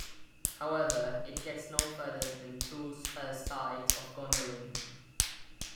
However, it gets no further than Tuor's first sight of Gondolin.